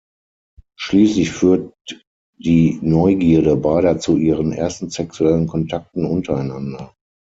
Schließlich führt die Neugierde beider zu ihren ersten sexuellen Kontakten untereinander.